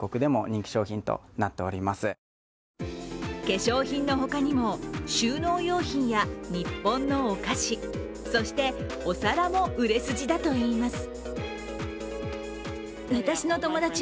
化粧品の他にも収納用品や日本のお菓子、そしてお皿も売れ筋だといいます。